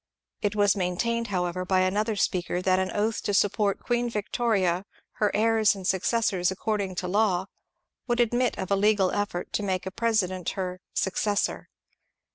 It was maintained, however, by another speaker, that an oath to support '^ Queen Victoria, her heirs and successors, according to law " would admit of a legal effort to make a president her ^^ successor."